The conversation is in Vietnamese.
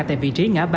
tại vị trí ngã ba